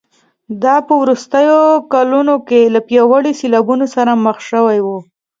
دا په وروستیو کلونو کې له پیاوړو سیالانو سره مخ شوی و